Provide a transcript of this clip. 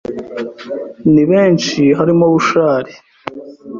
Ni benshi harimo Bushali,